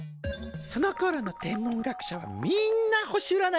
そのころの天文学者はみんな星うらないができたんだ！